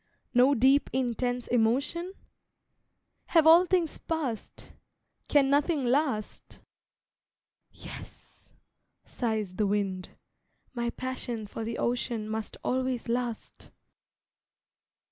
No deep, intense emotion? Have all things passed, Can nothing last? "Yes," sighs the wind, "My passion for the Ocean Must always last."